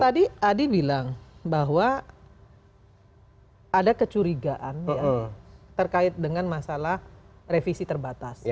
tadi adi bilang bahwa ada kecurigaan terkait dengan masalah revisi terbatas